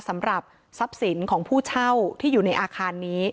สำหรับทรัพย์สินของผู้เช่าที่อยู่ในอาคารนี้